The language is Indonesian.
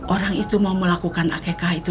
orang itu mau melakukan akekah itu